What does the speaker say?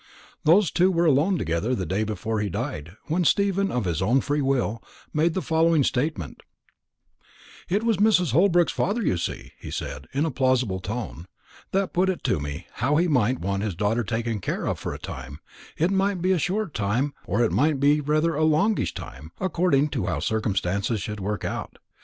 Those two were alone together the day before he died, when Stephen, of his own free will, made the following statement: "It was Mrs. Holbrook's father, you see," he said, in a plausible tone, "that put it to me, how he might want his daughter taken care of for a time it might be a short time, or it might be rather a longish time, according to how circumstances should work out.